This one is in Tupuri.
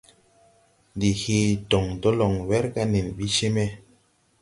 Ndi he dɔŋdɔlɔŋ wɛrga nen ɓi cee me.